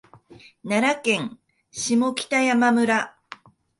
奈良県下北山村